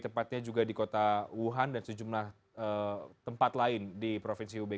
tepatnya juga di kota wuhan dan sejumlah tempat lain di provinsi hubei